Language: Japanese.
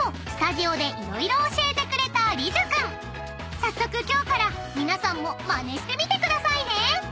［早速今日から皆さんもまねしてみてくださいね］